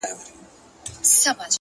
سرکښي نه کوم نور خلاص زما له جنجاله یې؛